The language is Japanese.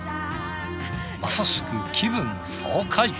まさしく気分爽快。